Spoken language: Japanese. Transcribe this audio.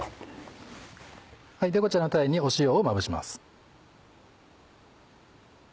ではこちらの鯛に塩をまぶします。